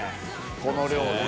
この量でね。